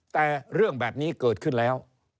แต่เรื่องแบบนี้เกิดขึ้นแล้ว